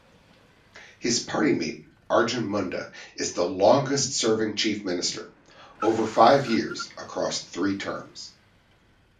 His party-mate Arjun Munda is the longest-serving chief minister-over five years, across three terms.